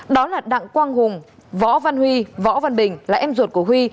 đó là đặng quang hùng võ văn huy võ văn bình là em ruột của huy